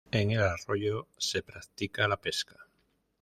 En el arroyo se practica la pesca.